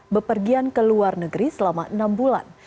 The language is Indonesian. bepergian ke luar negeri selama enam bulan